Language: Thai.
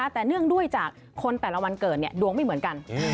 แต่เนื่องด้วยจากคนแต่ละวันเกิดดวงไม่เหมือนกัน